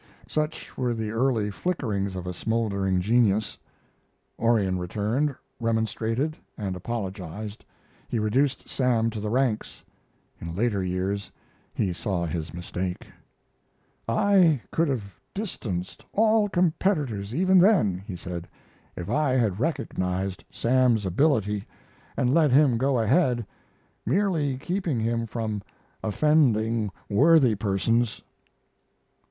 Such were the early flickerings of a smoldering genius. Orion returned, remonstrated, and apologized. He reduced Sam to the ranks. In later years he saw his mistake. "I could have distanced all competitors even then," he said, "if I had recognized Sam's ability and let him go ahead, merely keeping him from offending worthy persons."